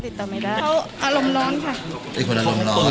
ติดต่อไม่ได้ค่ะติดต่อไม่ได้